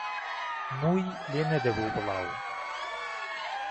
مووی لێ نهدهبوو بڵاو